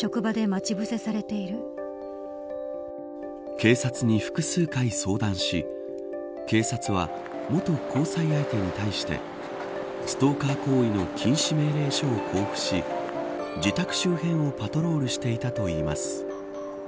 警察に複数回、相談し警察は、元交際相手に対してストーカー行為の禁止命令書を交付し自宅周辺をパトロールしていたといいます。